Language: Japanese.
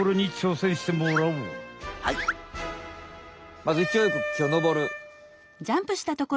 まずいきおいよく木をのぼる。